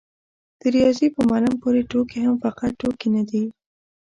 د رياضي په معلم پورې ټوکې هم فقط ټوکې نه دي.